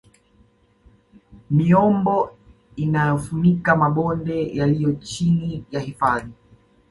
Miombo inayofunika mabonde yaliyo chini ya hifadhi